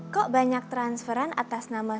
kok banyak transferan atas nama